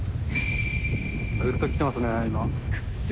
ぐっときてますね、今。